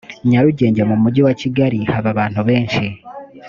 nyarugenge mu mujyi wa kigali haba abantu benshi